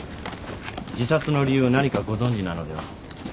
自殺の理由を何かご存じなのでは？